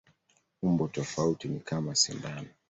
Umbo tofauti ni kama sindano.